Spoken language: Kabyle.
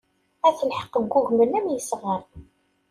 At lḥeqq ggugmen am yesɣan.